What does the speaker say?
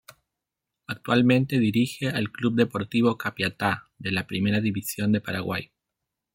Actualmente dirige al club Deportivo Capiatá de la Primera División de Paraguay.